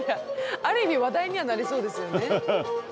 ある意味話題にはなりそうですよね。